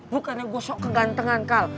bukannya gua sok kegantengan kal